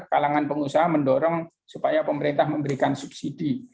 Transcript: kalangan pengusaha mendorong supaya pemerintah memberikan subsidi